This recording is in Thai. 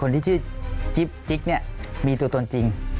ที่ชื่อจิ๊บจิ๊กเนี่ยมีตัวตนจริง